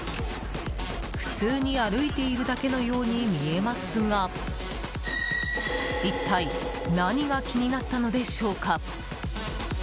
普通に歩いているだけのように見えますが一体、何が気になったのでしょうか。